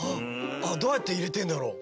どうやって入れてんだろう？